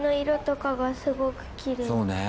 そうね。